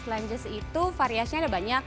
lunges itu variasnya ada banyak